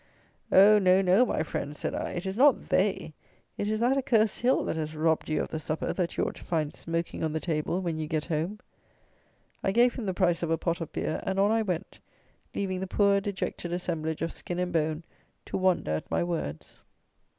"Oh, no, no! my friend," said I, "it is not they; it is that Accursed Hill that has robbed you of the supper that you ought to find smoking on the table when you get home." I gave him the price of a pot of beer, and on I went, leaving the poor dejected assemblage of skin and bone to wonder at my words.